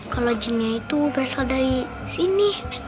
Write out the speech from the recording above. kalau jinnya itu berasal dari sini